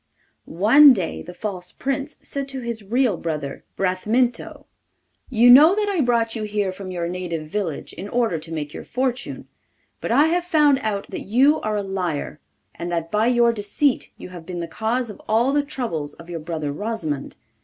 One day the false Prince said to his real brother, 'Bramintho, you know that I brought you here from your native village in order to make your fortune; but I have found out that you are a liar, and that by your deceit you have been the cause of all the troubles of your brother Rosimond.